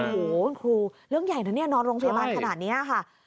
โอ้โหคุณครูเรื่องใหญ่นะเนี่ยนอนโรงพยาบาลขนาดนี้ค่ะ